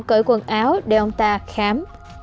cởi quần áo để ông ta khám